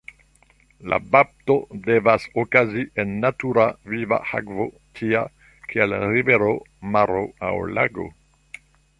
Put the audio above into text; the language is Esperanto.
La bapto devas okazi en natura viva akvo tia, kiel rivero, maro, aŭ lago.